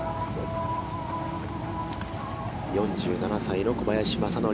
４７歳の小林正則。